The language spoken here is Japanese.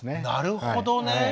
なるほどね。